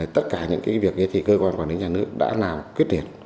tất cả những cái việc như thế thì cơ quan quản lý nhà nước đã làm quyết liệt